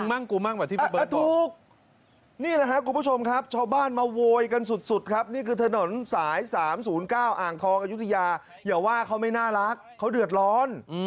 อ่างทองกับยุฒิยาอย่าว่าเขาไม่น่ารักเขาเดือดร้อน